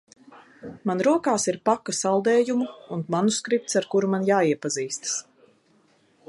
Man rokās ir paka saldējumu un manuskripts, ar kuru man jāiepazīstas.